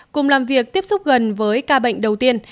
cùng làm việc tiếp xúc gần với ca bệnh đầu tiên